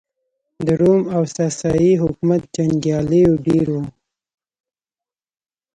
د روم او ساسا ني حکومت جنګیالېیو ډېر وو.